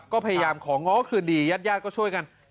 ก็พยายามของ้อคืนดียาดก็ช่วยกัน